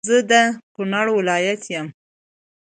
زه د کونړ ولایت یم